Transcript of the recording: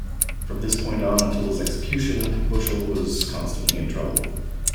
From this point on until his execution, Bushell was constantly in trouble.